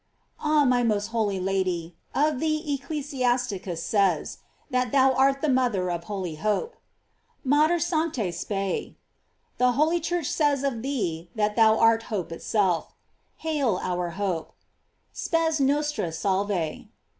"* Ah, my most holy Lady, of thee Ecclesiasticus says, that thou art the mother of holy hope : "Mater sanctse spei."f The holy Church says of thee that thou art hope itself : Hail, our hope : "Spes nostra salve."